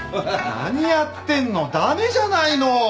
何やってんのダメじゃないの！